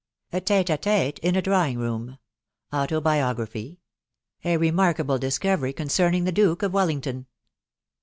▲ TfcTB A TKTK IN A DRAWING ROOM. AUTOBIOGRAPHY A REMARK* ABLE DISCOVERY CONCERNING THE DUKE OF WELLINGTON.